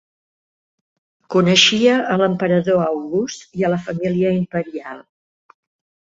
Coneixia a l'emperador August i a la família imperial.